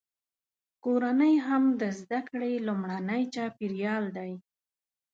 کورنۍ هم د زده کړې لومړنی چاپیریال دی.